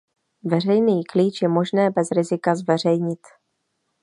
Veřejný klíč je možné bez rizika zveřejnit.